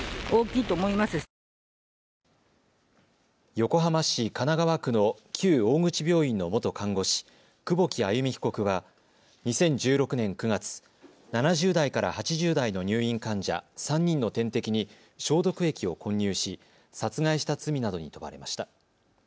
横浜市神奈川区の旧大口病院の元看護師、久保木愛弓被告は２０１６年９月、７０代から８０代の入院患者３人の点滴に消毒液を混入し殺害した罪などに問われました。